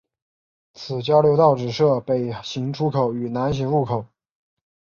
此交流道只设北行出口与南行入口。